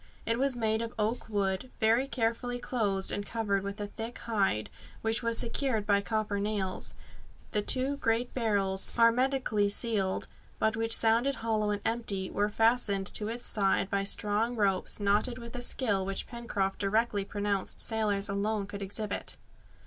It was made of oak wood, very carefully closed and covered with a thick hide, which was secured by copper nails. The two great barrels, hermetically sealed, but which sounded hollow and empty, were fastened to its sides by strong ropes knotted with a skill which Pencroft directly pronounced sailors alone could exhibit.